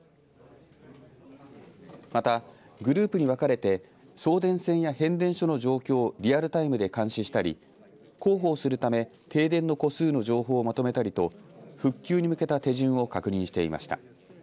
またグループに分かれて送電線や変電所の状況をリアルタイムで監視したり広報するため停電の戸数の情報をまとめたりと復旧に向けた手順を確認していました。